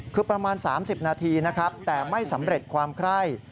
คือประมาณ๓๐นาทีนะครับแต่ไม่สำเร็จความไคร่